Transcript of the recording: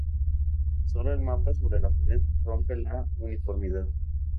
Sólo el mapa sobre la pared rompe la uniformidad.